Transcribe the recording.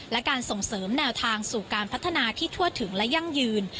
และการส่งเสริมแนวทางสู่การพัฒนาที่ทั่วถึงและยั่งยืน